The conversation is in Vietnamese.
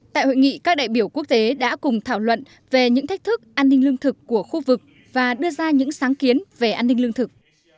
tại hội nghị các đại biểu quốc tế đã cùng thảo luận về những thách thức an ninh lương thực của khu vực và đưa ra những sáng kiến về an ninh lương thực